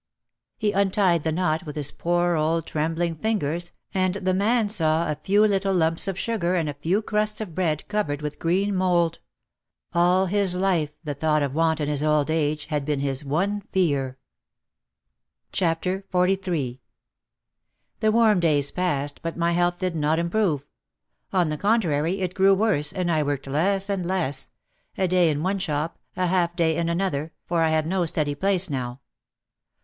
He untied the knot with his poor old trembling fingers and the man saw a few little lumps of sugar and a few crusts of bread covered with green mould. All his life the thought of want in his old age had been his one fear. 194 OUT OF THE SHADOW XLIII The warm days passed but my health did not improve. On the contrary, it grew worse and I worked less and less — a day in one shop, a half day in another, for I had no steady place now.